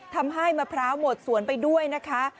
ทำให้มะพร้าวหมดสวนไปด้วยนะคะ